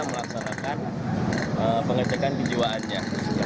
melaksanakan pengecekan kejiwaannya